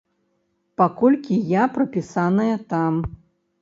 Паколькі я прапісаная там.